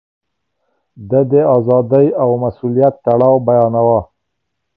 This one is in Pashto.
ده د ازادۍ او مسووليت تړاو بيانوه.